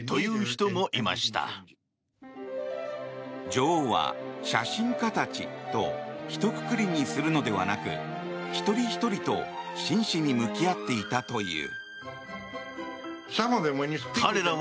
女王は、写真家たちとひとくくりにするのではなく一人ひとりと真摯に向き合っていたという。